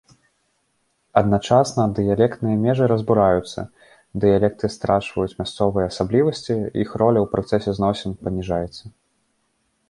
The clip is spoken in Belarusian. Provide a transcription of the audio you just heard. Адначасна, дыялектныя межы разбураюцца, дыялекты страчваюць мясцовыя асаблівасці, іх роля ў працэсе зносін паніжаецца.